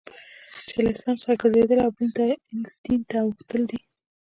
چي له اسلام څخه ګرځېدل او بل دین ته اوښتل دي.